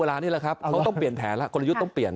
นี่แหละครับเขาต้องเปลี่ยนแผนแล้วกลยุทธ์ต้องเปลี่ยน